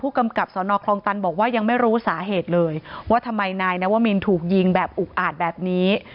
กำกับสนคลองตันบอกว่ายังไม่รู้สาเหตุเลยว่าทำไมนายนวมินถูกยิงแบบอุกอาจแบบนี้